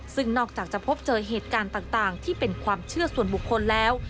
ซึ่งนอกจากจะพบเจอเหตุการณ์ต่างที่เป็นความเชื่อส่วนบุคคลแล้ว